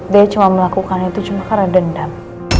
dia cuma melakukan itu cuma karena dendam